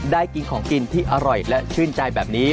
ได้กินของกินที่อร่อยและชื่นใจแบบนี้